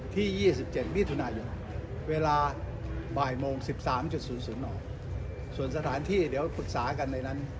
ที่๒๗มิถุนายนเวลาบ่ายโมง๑๓๐๐ออกส่วนสถานที่เดี๋ยวปรึกษากันในนั้น